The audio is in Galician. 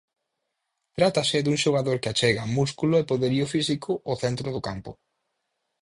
Trátase dun xogador que achega músculo e poderío físico ao centro do campo.